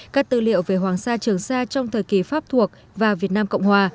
các tư liệu về hoàng sa trường sa trong thời kỳ pháp thuộc và việt nam cộng hòa